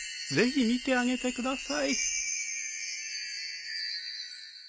ぜひ見てあげてください。